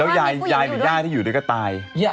แล้วยายหรือย่ายที่อยู่ด้วยก็ตาย